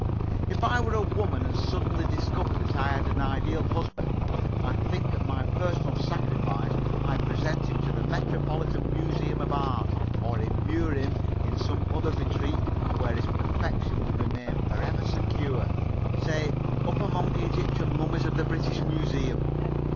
If I were a woman and suddenly discovered that I had an Ideal Husband, I think at my personal sacrifice I'd present him to the Metropolitan Museum of Art or immure him in some other retreat where his perfection would remain forever secure say, up among the Egyptian mummies of the British Museum.